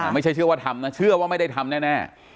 ไม่ใช่เชื่อว่าทำนะเชื่อว่าไม่ได้ทำแน่